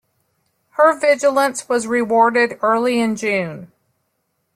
Her vigilance was rewarded early in June.